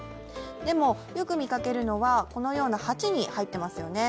でも、よく見かけるのは、このような鉢に入っていますよね。